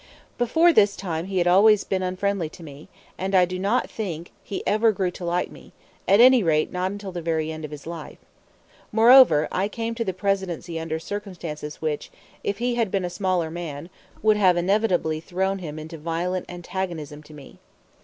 Before this time he had always been unfriendly to me; and I do not think he ever grew to like me, at any rate not until the very end of his life. Moreover, I came to the Presidency under circumstances which, if he had been a smaller man, would inevitably have thrown him into violent antagonism to me.